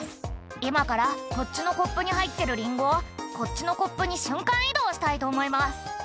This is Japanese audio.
「今からこっちのコップに入ってるリンゴをこっちのコップに瞬間移動したいと思います」